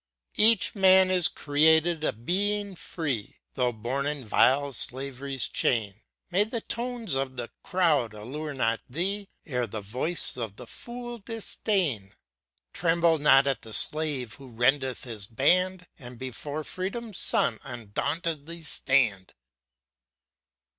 Each man is created a Being free, Though born in vile slavery's chain; May the tones of the crowd allure not thee, E'er the voice of the fool disdain. Tremble not at the slave who rendeth his band, And before Freedom's son, undauntedly stand!